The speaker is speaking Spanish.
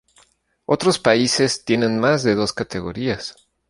Otros países tienen más de dos categorías.